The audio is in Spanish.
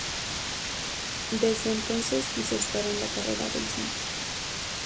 Desde entonces quiso estar en la carrera del cine.